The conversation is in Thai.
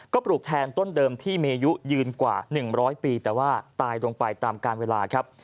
ก็ปลูกแทนต้นเดิมที่มีอายุยืนกว่า๑๐๐ปีแต่ว่าตายลงไปตามการเวลาครับ